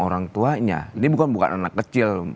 orang tuanya ini bukan bukan anak kecil